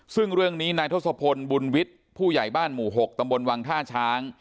ซึ่งเรื่องนี้นายทศพลบุญวิทย์ผู้ใหญ่บ้านหมู่๖ตำบลวังท่าช้าง